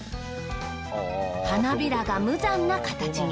花びらが無残な形に。